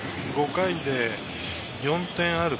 ５回で４点ある。